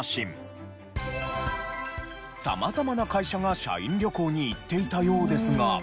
様々な会社が社員旅行に行っていたようですが。